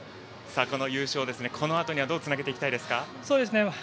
この優勝、このあとにどうつなげていきたいですか？